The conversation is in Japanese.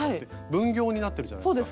分業になってるじゃないですか。